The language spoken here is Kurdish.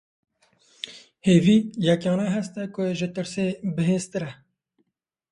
Hêvî, yekane hest e ku ji tirsê bihêztir e.